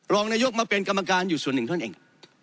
รองนายกมาเป็นกรรมการอยู่ส่วนหนึ่งเท่านั้นเอง